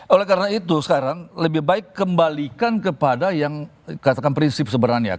oleh karena itu sekarang lebih baik kembalikan kepada yang katakan prinsip sebenarnya